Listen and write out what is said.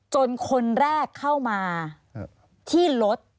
คนแรกเข้ามาที่รถ